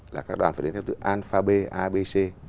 là các đoàn phải đến theo tựa alpha b a b c